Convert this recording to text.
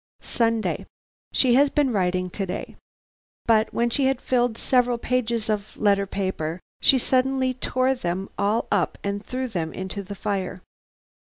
"Sunday. "She has been writing to day. But when she had filled several pages of letter paper she suddenly tore them all up and threw them into the fire.